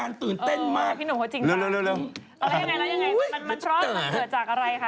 แล้วยังไงมันเกิดจากอะไรคะ